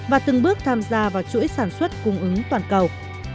và từng bước tham gia vào chuỗi sản xuất cung ứng toàn cầu